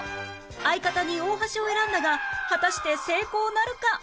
相方に大橋を選んだが果たして成功なるか！？